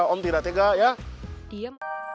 om tidak tega ya